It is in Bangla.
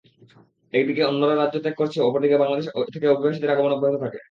একদিকে অন্যরা রাজ্য ত্যাগ করেছে, অপরদিকে বাংলাদেশ থেকে অভিবাসীদের আগমন অব্যাহত থাকে।